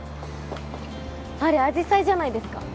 あれあじさいじゃないですか？